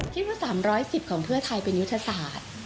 คิดว่า๓๑๐ของเพื่อไทยเป็นยุทธศาสตร์